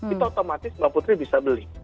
itu otomatis mbak putri bisa beli